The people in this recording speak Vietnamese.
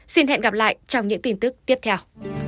xin hẹn gặp lại trong những tin tức tiếp theo